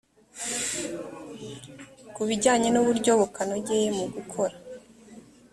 ku bijyanye n uburyo bukanogeye mu gukora